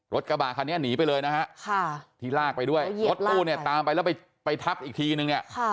รถกระบะคันนี้หนีไปเลยนะฮะที่ลากไปด้วยรถตู้เนี่ยตามไปแล้วไปทับอีกทีนึงเนี่ย